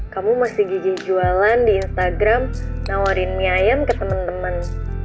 kamu masih gigi jualan di instagram nawarin mie ayam ke teman teman